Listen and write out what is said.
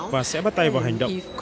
và sẽ bắt tay vào hành động